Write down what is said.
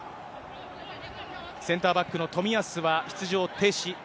センターバックの冨安は出場停止。